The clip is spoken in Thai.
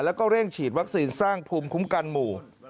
แล้วก็เร่งฉีดวัคซีนสร้างภูมิคุ้มกันหมู่